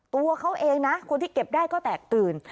ตัวเขาเองนะคนที่เก็บได้ก็แตกตื่น